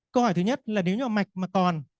câu hỏi thứ nhất là nếu nhỏ mạch mà còn